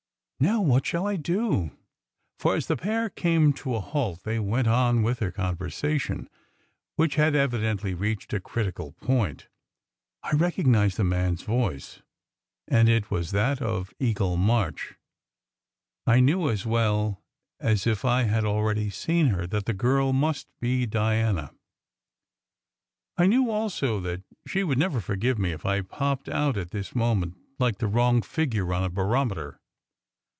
"Now what shall I do?" For as the pair came to a halt they went on with their conversation, which had evidently reached a critical point. I recognized the man s voice, and as it was that of Eagle March, I knew as well as if I had already seen her that the girl must be Diana. I knew also that she would never forgive me if I popped out at this moment, like the wrong figure on a barometer.